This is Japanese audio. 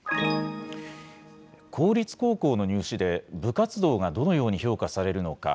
公立高校の入試で部活動がどのように評価されるのか。